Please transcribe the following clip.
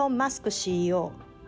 ＣＥＯ。